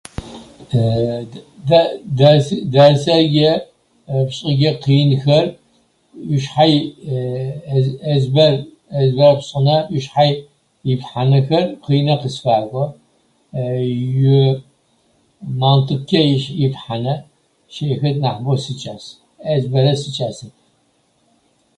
Тэ дэрс- дэрсэгэ пшӏыгэ къынхэр ушъхьэ эзбэр- эзбэр пшӏынэ ушъхьэ иплъхьэнэхэр къинэ къысфакӏо. Мантыккӏэ ищ-иплъхьэнэ щыӏэхэ нахь бо сикӏас. Эзбэрэ сикӏасэп.